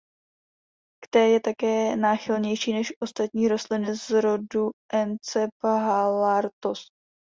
K té je také náchylnější než ostatní rostliny z rodu "Encephalartos".